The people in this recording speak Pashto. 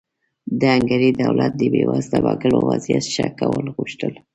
د هنګري دولت د بېوزله وګړو وضعیت ښه کول غوښتل.